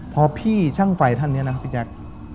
พอพี่ช่างไฟท่านนี้นะครับพี่แจ๊ค